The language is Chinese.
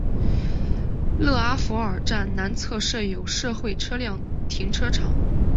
勒阿弗尔站南侧设有社会车辆停车场。